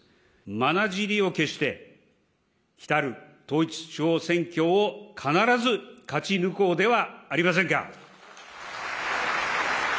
まなじりを決して、来る統一地方選挙を必ず勝ち抜こうではありませんか。